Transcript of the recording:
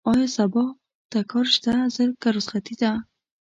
ايا سبا ته کار شته؟ که رخصتي ده؟